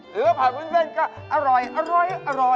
หรือว่าผัดวุ้นเซ็นก็อร่อยอร่อย